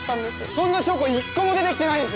そんな証拠１個も出てきてないでしょ！